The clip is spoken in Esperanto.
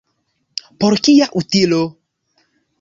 Por kia utilo?